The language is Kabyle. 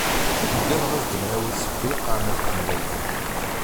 Uggadeɣ ad as-d-nɛiwed seg lqaɛ ma tkemmel akka.